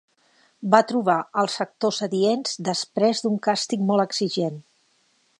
Va trobar els actors adients després d'un càsting molt exigent.